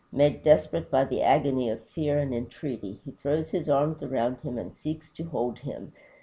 Made desperate by the agony of fear and entreaty, he throws his arms around him and seeks to hold him.